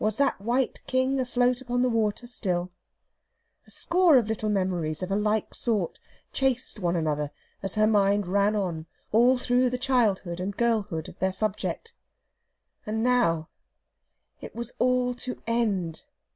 Was that white king afloat upon the water still? A score of little memories of a like sort chased one another as her mind ran on, all through the childhood and girlhood of their subject. And now it was all to end....